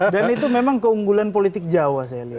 dan itu memang keunggulan politik jawa saya lihat